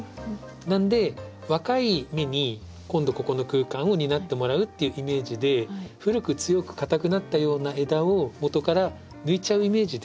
なので若い芽に今度ここの空間を担ってもらうっていうイメージで古く強く硬くなったような枝を元から抜いちゃうイメージで。